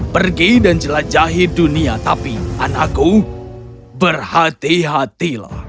pergi dan jelajahi dunia tapi anakku berhati hatilah